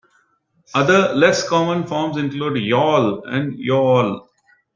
Other less-common forms include "yawl" and "yo-all".